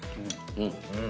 うん。